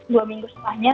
dua minggu setelahnya